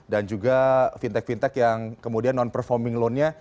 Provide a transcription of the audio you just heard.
dan juga fintech fintech yang kemudian non performing loan ini